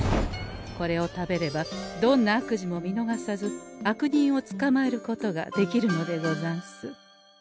これを食べればどんな悪事も見のがさず悪人をつかまえることができるのでござんす。